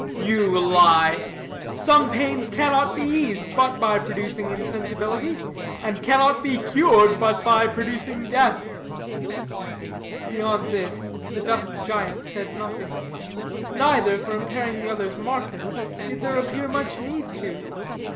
"You lie! Some pains cannot be eased but by producing insensibility, and cannot be cured but by producing death." Beyond this the dusk giant said nothing; neither, for impairing the other's market, did there appear much need to.